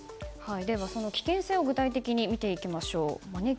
では、その危険性を具体的に見ていきましょう。